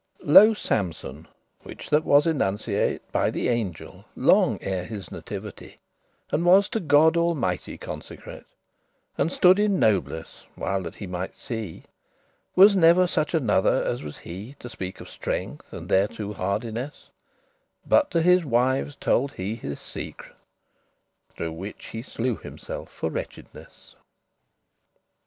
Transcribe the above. Lo SAMPSON, which that was annunciate By the angel, long ere his nativity; <3> And was to God Almighty consecrate, And stood in nobless while that he might see; Was never such another as was he, To speak of strength, and thereto hardiness;* *courage But to his wives told he his secre, Through which he slew himself for wretchedness.